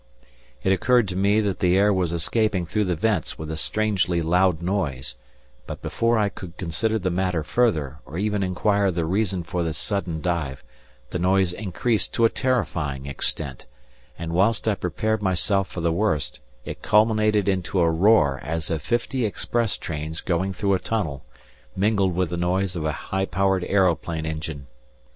It occurred to me that the air was escaping through the vents with a strangely loud noise, but before I could consider the matter further or even inquire the reason for this sudden dive, the noise increased to a terrifying extent, and whilst I prepared myself for the worst it culminated into a roar as of fifty express trains going through a tunnel, mingled with the noise of a high powered aeroplane engine.